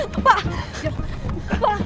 pak pak pak